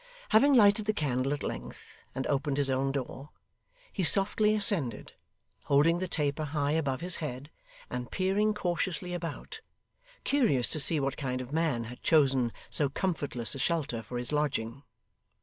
Having lighted the candle at length and opened his own door, he softly ascended, holding the taper high above his head, and peering cautiously about; curious to see what kind of man had chosen so comfortless a shelter for his lodging.